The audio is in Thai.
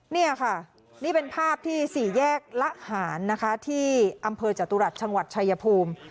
นี่ค่ะนี่เป็นภาพที่๔แยกระหารนะคะที่อำเภอจตุรัติชชายภูมิ